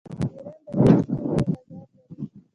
ایران د وچو میوو لوی بازار لري.